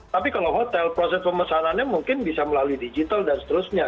tapi kalau hotel proses pemesanannya mungkin bisa melalui digital dan seterusnya